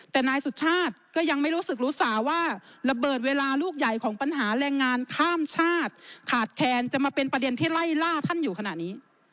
แต่นายสุชาติก็ยังไม่รู้สึกรู้สาว่าระเบิดเวลาลูกใหญ่ของปัญหาแรงงานข้ามชาติขาดแคนจะมาเป็นประเด็นที่ไล่ล่าท่านอยู่ขณะนี้